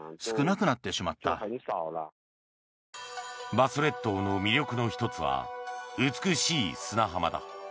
馬祖列島の魅力の１つは美しい砂浜だ。